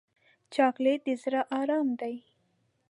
چاکلېټ د زړه ارام دی.